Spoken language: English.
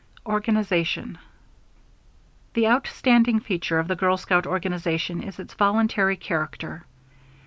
ORGANIZATION. The outstanding feature of the girl scout organization is its voluntary character.